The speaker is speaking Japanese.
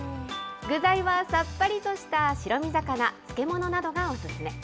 具材はさっぱりとした白身魚、漬物などがお勧め。